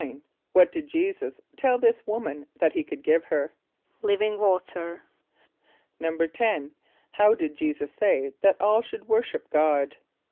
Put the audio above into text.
= What did J[=e]´[s+]us tell this woman that he could give her? =Living water.= =10.= How did J[=e]´[s+]us say that all should worship God?